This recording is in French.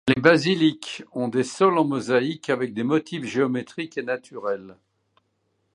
Les basiliques ont des sols en mosaïque avec des motifs géométriques et naturels.